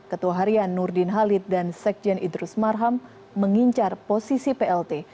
ketua harian nurdin halid dan sekjen idrus marham mengincar posisi plt